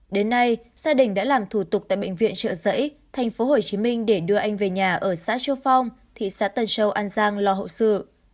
đến nay gia đình đã làm thủ tục tại bệnh viện trợ dẫy thành phố hồ chí minh để đưa anh về nhà ở xã châu phong thị xã tân châu an giang lo hậu sự